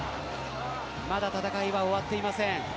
まだ戦いは終わっていません。